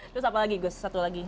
terus apa lagi gus satu lagi